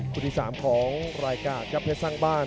คุณที่สามของรายการกับเพชรสร้างบ้าน